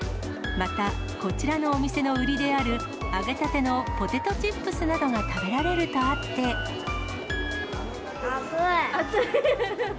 またこちらのお店の売りである揚げたてのポテトチップスなどが食熱い。